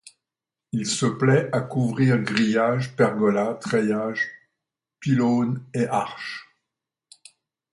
Il se plaît à couvrir grillages, pergolas, treillages, pylônes et arches.